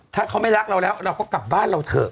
ถ้าเขาไม่รักเราแล้วเราก็กลับบ้านเราเถอะ